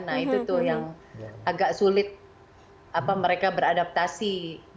nah itu tuh yang agak sulit mereka beradaptasi